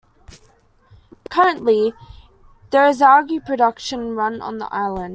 Currently, there is algae production run on the island.